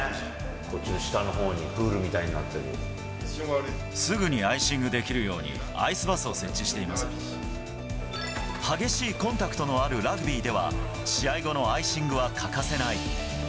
こっちの下のほうに、プールみたすぐにアイシングできるよう激しいコンタクトのあるラグビーでは、試合後のアイシングは欠かせない。